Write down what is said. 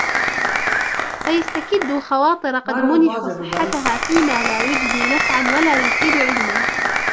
فَيَسْتَكِدُّوا خَوَاطِرَ قَدْ مُنِحُوا صِحَّتَهَا فِيمَا لَا يُجْدِي نَفْعًا وَلَا يُفِيدُ عِلْمًا